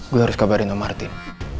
gue harus kabarin sama martin